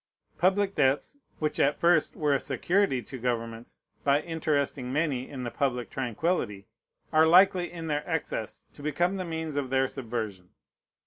Public debts, which at first were a security to governments, by interesting many in the public tranquillity, are likely in their excess to become the means of their subversion.